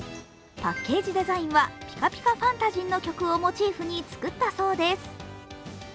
パッケージデザインは「ピカピカふぁんたじん」の曲をモチーフに作ったそうです。